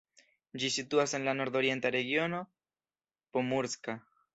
Ĝi situas en la nordorienta regiono Pomurska.